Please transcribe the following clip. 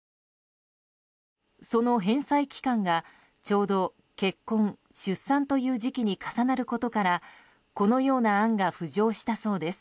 その返済期間がちょうど、結婚・出産という時期に重なることからこのような案が浮上したそうです。